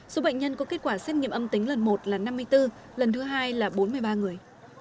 số bệnh nhân có kết quả xét nghiệm âm tính lần một là năm mươi bốn lần thứ hai là bốn mươi ba người